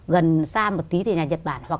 gần xa một tí thì là nhật bản